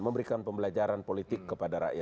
memberikan pembelajaran politik kepada rakyat